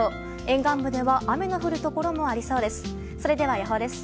沿岸部では雨の降るところもありそうです。